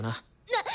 なっ！